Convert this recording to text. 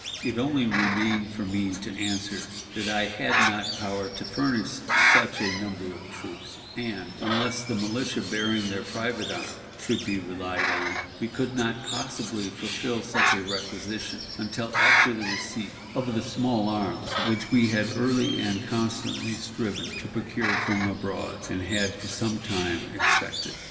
It only remained for me to answer that I had not power to furnish such a number of troops; and, unless the militia bearing their private arms should be relied on, we could not possibly fulfill such a requisition until after the receipt of the small arms which we had early and constantly striven to procure from abroad, and had for some time expected.